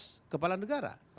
memakai jas kepala negara